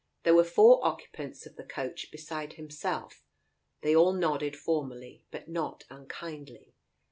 There were four occupants of the coach beside himself. They all nodded formally, but not unkindly.